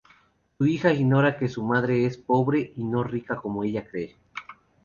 Su hija ignora que su madre es pobre y no rica como ella cree.